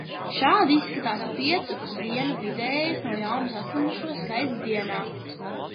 Šādi izskatās piecas dienu vidējais no jauna saslimušo skaits dienā.